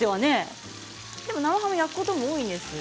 生ハムを焼くことは多いんですか？